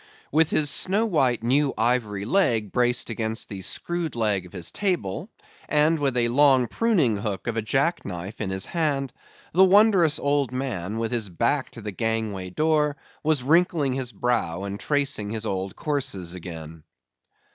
With his snow white new ivory leg braced against the screwed leg of his table, and with a long pruning hook of a jack knife in his hand, the wondrous old man, with his back to the gangway door, was wrinkling his brow, and tracing his old courses again.